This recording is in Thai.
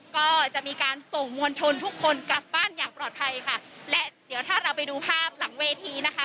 ก็จะมีการส่งมวลชนทุกคนกลับบ้านอย่างปลอดภัยค่ะและเดี๋ยวถ้าเราไปดูภาพหลังเวทีนะคะ